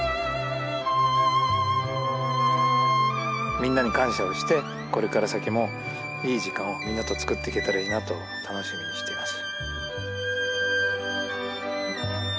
みんなに感謝をしてこれから先もいい時間をみんなとつくっていけたらいいなと楽しみにしています。